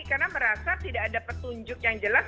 karena merasa tidak ada petunjuk yang jelas